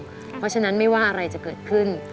เพราะฉะนั้นไม่ว่าอะไรจะเกิดขึ้น